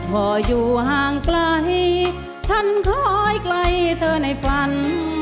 พออยู่ห่างไกลฉันคอยไกลเธอในฝัน